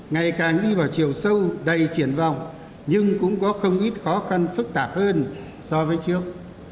ngày càng đi vào chiều sâu đầy triển vọng nhưng cũng có không ít khó khăn phức tạp hơn so với trước